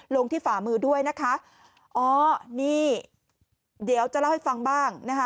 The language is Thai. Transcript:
ลงที่ฝ่ามือด้วยนะคะอ๋อนี่เดี๋ยวจะเล่าให้ฟังบ้างนะคะ